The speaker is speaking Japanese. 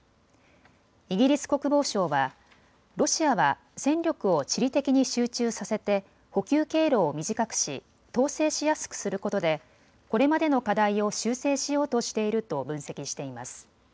イギリス国防省は、ロシアは戦力を地理的に集中させて補給経路を短くし統制しやすくすることでこれまでの課題を修正しようとしていると分析しています。